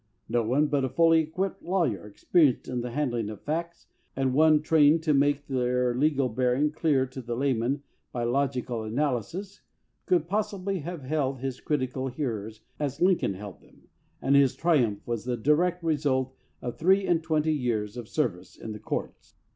No one but a fully equipped lawyer experienced in the handling of facts, and one trained to make their legal bearing clear to the layman by logical analysis, could possibly have held his critical hearers as Lincoln held them, and his triumph was the direct result of three and twenty years of service in the courts.